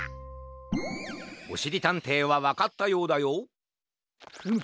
おしりたんていはわかったようだよフム。